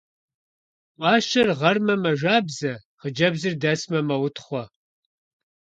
Гуащэр гъэрмэ, мэжабзэ, хъыджэбзыр дэсмэ, мэутхъуэ.